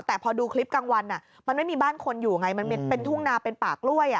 แต่พอดูคลิปกลางวันมันไม่มีบ้านคนอยู่ไงมันเป็นทุ่งนาเป็นป่ากล้วย